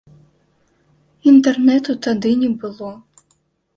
Інтэрнэту тады не было.